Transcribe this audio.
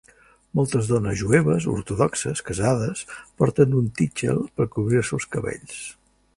Moltes dones jueves ortodoxes casades porten un tichel per cobrir-se els cabells.